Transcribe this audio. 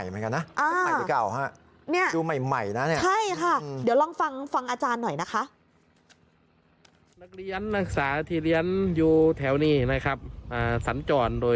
มันไม่มีหลักฐานเลยคุณผู้ชม